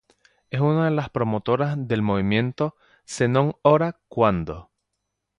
Es una de las promotoras del movimiento "Se non ora quando?